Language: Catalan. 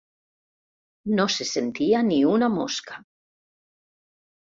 No se sentia ni una mosca.